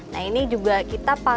nah ini juga kita